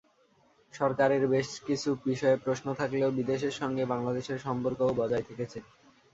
সরকারের বেশ কিছু বিষয়ে প্রশ্ন থাকলেও বিদেশের সঙ্গে বাংলাদেশের সম্পর্কও বজায় থেকেছে।